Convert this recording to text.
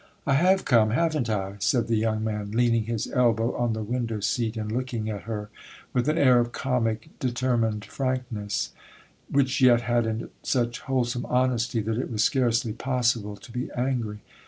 'I have come, haven't I?' said the young man, leaning his elbow on the window seat and looking at her with an air of comic determined frankness, which yet had in it such wholesome honesty that it was scarcely possible to be angry.